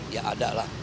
ya ada lah